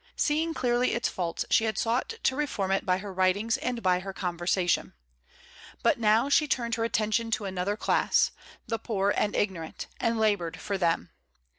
Seeing clearly its faults, she had sought to reform it by her writings and by her conversation. But now she turned her attention to another class, the poor and ignorant, and labored for them.